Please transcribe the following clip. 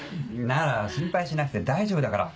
なら心配しなくて大丈夫だから。